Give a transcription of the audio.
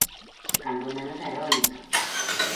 Cando menos a eólica.